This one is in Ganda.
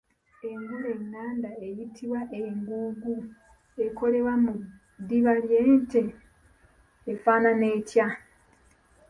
Engule enganda eyitibwa enguugu ekolebwa mu ddiba lya nte efaanana etya?